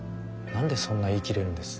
何でそんな言い切れるんです？